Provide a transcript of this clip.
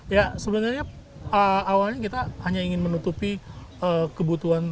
ya sebenarnya awalnya kita hanya ingin menutupi kebutuhan